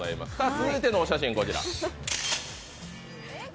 続いてのお写真は、こちら。